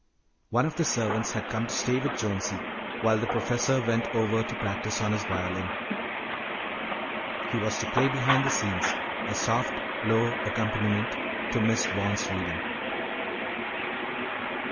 One of the servants had come to stay with Jonesy while the professor went over to practise on his violin. He was to play behind the scenes, a soft, low accompaniment to Miss Bond's reading.